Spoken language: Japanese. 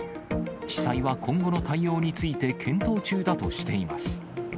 地裁は今後の対応について検討中だとしています。